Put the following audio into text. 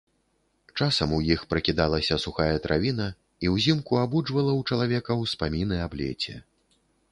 Часам у іх пракідалася сухая травіна і ўзімку абуджвала ў чалавека ўспаміны аб леце.